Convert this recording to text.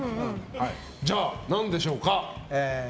じゃあ何でしょうか？